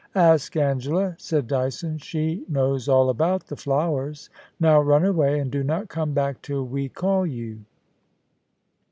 * *Ask Angela,' said Dyson; *she knows all about the flowers. Now run away, and do not come back till we call you.'